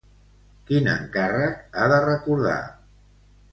Quin encàrrec ha de recordar?